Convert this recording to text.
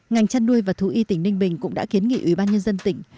ngành chăn nuôi và thú y tỉnh ninh bình cũng đã kiến nghị ủy ban nhân dân tỉnh